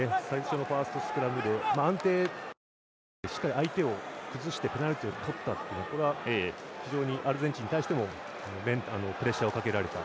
ファーストスクラムでしっかり相手を崩してペナルティをとったので非常にアルゼンチンに対してもプレッシャーをかけられた。